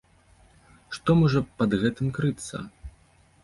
Што можа пад гэтым крыцца?